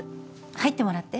入ってもらって。